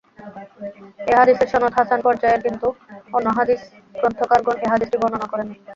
এ হাদীসের সনদ হাসান পর্যায়ের কিন্তু অন্য হাদীস গ্রন্থকারগণ এ হাদীসটি বর্ণনা করেননি।